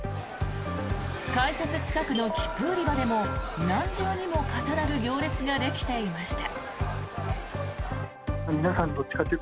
改札近くの切符売り場でも何重にも重なる行列ができていました。